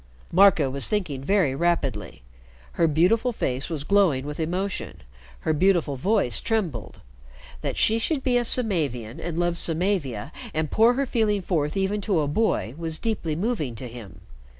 Marco was thinking very rapidly. Her beautiful face was glowing with emotion, her beautiful voice trembled. That she should be a Samavian, and love Samavia, and pour her feeling forth even to a boy, was deeply moving to him.